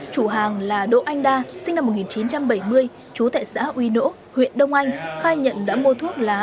chủ hàng là đỗ anh đa sinh năm một nghìn chín trăm bảy mươi chú tại xã uy nỗ huyện đông anh khai nhận đã mua thuốc lá